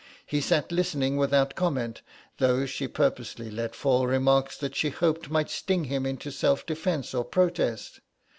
He sat listening without comment, though she purposely let fall remarks that she hoped might sting him into self defence or protest.